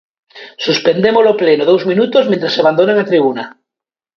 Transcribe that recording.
Suspendemos o pleno dous minutos mentres abandonan a tribuna.